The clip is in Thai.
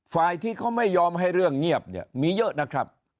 ฝ่ายที่เขาไม่ยอมให้เรื่องเงียบเนี่ยมีเยอะนะครับ